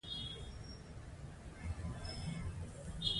منصفانه جوړښتونه باید پکې موجود وي.